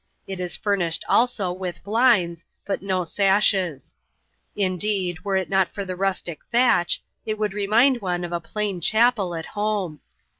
It is furnished, also^ with blinds, but no sashes; indeed, were it not for the rustic thatch, it would remind one of a plain chapel at home.